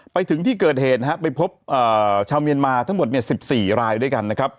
ไปถึงที่เกิดเหตุนะครับไปพบชาวเมียนมาทั้งหมด๑๔รายด้วยกันนะครับ